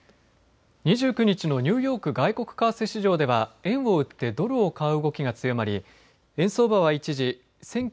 ２９日のニューヨーク外国為替市場では円を売ってドルを買う動きが強まり円相場は一時